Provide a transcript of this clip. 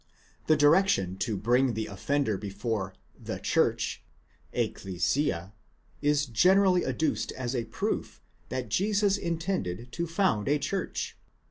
The direction to bring the offender before the church, ἐκκλησία, is generally adduced as a proof that Jesus intended to found a church.